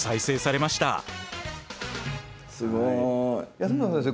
安村先生